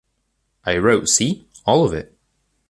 I wrote, see? All of it